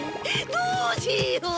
どうしよう！